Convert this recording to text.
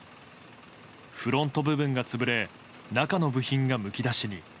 フロント部分が潰れ中の部品がむき出しに。